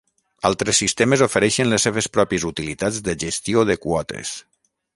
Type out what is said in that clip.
Altres sistemes ofereixen les seves pròpies utilitats de gestió de quotes.